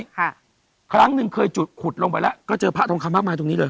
ครั้งหนึ่งเคยจุดขุดลงไปแล้วก็เจอพระทองคำมากมายตรงนี้เลย